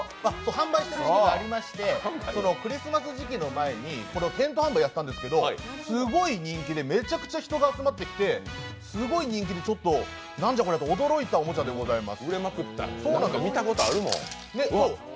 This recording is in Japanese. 販売していたことがありましてクリスマス時期の前に店頭販売やったんですけど、すごい人気でめちゃくちゃ人が集まってきて、「なんじゃこりゃ！」と驚いたおもちゃでございます。